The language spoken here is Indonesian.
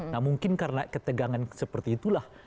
nah mungkin karena ketegangan seperti itulah